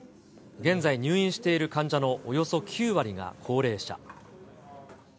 現在、入院している患者のおよそ９割が高齢者。